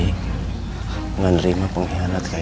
tidak akan menerima pengkhianat seperti kamu